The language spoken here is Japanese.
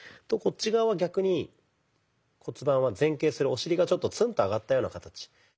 こっち側は逆に骨盤は前傾するお尻がちょっとツンと上がったような形。